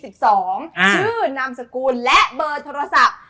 ชื่อนามสกุลและเบอร์โทรศัพท์